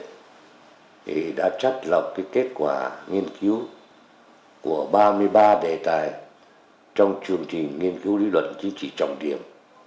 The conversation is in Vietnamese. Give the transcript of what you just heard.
thì đã chắc lọc cái kết quả nghiên cứu của ba mươi ba đề tài trong chương trình nghiên cứu lý luận chính trị trọng điểm hai nghìn một mươi sáu hai nghìn hai mươi